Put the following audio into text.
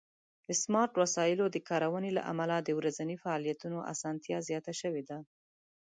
د سمارټ وسایلو د کارونې له امله د ورځني فعالیتونو آسانتیا زیاته شوې ده.